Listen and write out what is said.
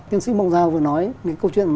tiến sĩ mông giao vừa nói những câu chuyện